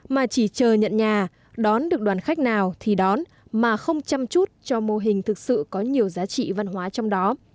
mà chỉ chờ nhận nhà đón được đoàn khách nào thì đón mà không chăm chút cho mô hình thực sự có nhiều giá trị văn hóa trong đó